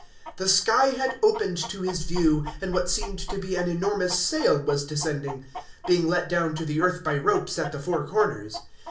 010:011 The sky had opened to his view, and what seemed to be an enormous sail was descending, being let down to the earth by ropes at the four corners.